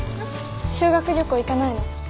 修学旅行行かないの？